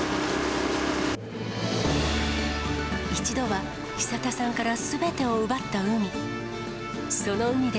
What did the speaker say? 一度は久田さんからすべてを奪った海。